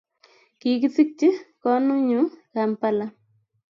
kikisikchi konunyu Kampala